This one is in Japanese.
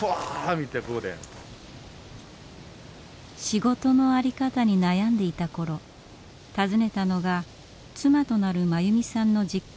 仕事の在り方に悩んでいた頃訪ねたのが妻となる真由美さんの実家